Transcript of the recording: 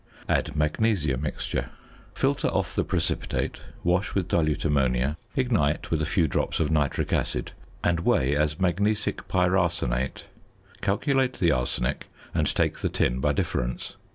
Add "magnesia mixture." Filter off the precipitate, wash with dilute ammonia, ignite with a few drops of nitric acid, and weigh as magnesic pyrarsenate. Calculate the arsenic and take the tin by difference.